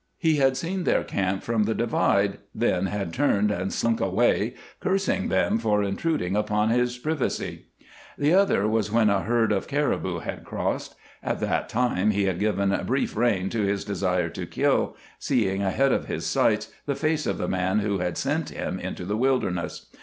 He had seen their camp from the divide, then had turned and slunk away, cursing them for intruding upon his privacy. The other was when a herd of caribou had crossed. At that time he had given brief rein to his desire to kill, seeing ahead of his sights the face of the man who had sent him into the wilderness.